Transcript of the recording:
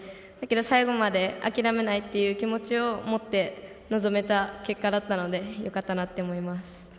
最後まで諦めないという気持ちを持って臨めた結果だったのでよかったなと思います。